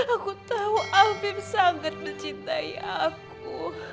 aku tahu albim sangat mencintai aku